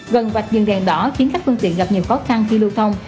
gần vạch dừng đèn đỏ khiến các phương tiện gặp nhiều khó khăn khi lưu thông